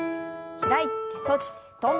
開いて閉じて跳んで。